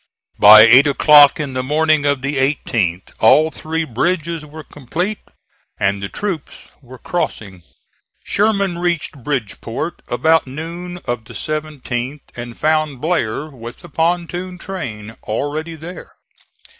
By eight o'clock in the morning of the 18th all three bridges were complete and the troops were crossing. Sherman reached Bridgeport about noon of the 17th and found Blair with the pontoon train already there.